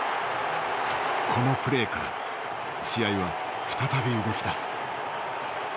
このプレイから試合は再び動きだす。